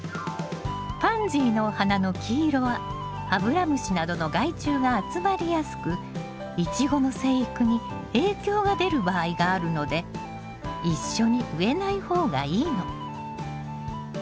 パンジーの花の黄色はアブラムシなどの害虫が集まりやすくイチゴの生育に影響が出る場合があるので一緒に植えない方がいいの。